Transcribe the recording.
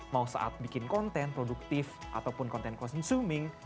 mau saat bikin konten produktif ataupun konten cost zooming